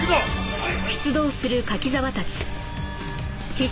はい。